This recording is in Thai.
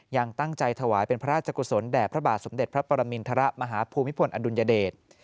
ยังตั้งใจถวายเป็นพระราชกุศลแด่พระบาทสมเด็จพระปรมินทรมาฮภูมิพลอดุลยเดช